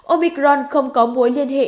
omicron không có mối liên hệ